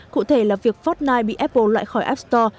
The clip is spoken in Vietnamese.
cụ thể là việc fortnig bị apple loại khỏi app store